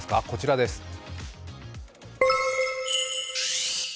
こちらです。